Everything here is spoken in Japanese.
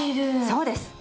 そうです。